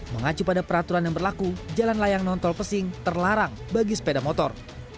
mengacu pada peraturan yang berlaku jalan layang nontol pesing terlarang bagi sepeda motor